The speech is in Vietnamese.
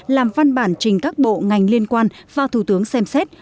làm văn bản trình các bộ ngành liên quan và thủ tướng xem xét